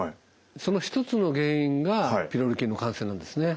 その一つの原因がピロリ菌の感染なんですね。